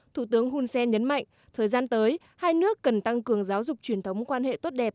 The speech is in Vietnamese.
thủ tướng hun sen nhấn mạnh thời gian tới hai nước cần tăng cường giáo dục truyền thống quan hệ tốt đẹp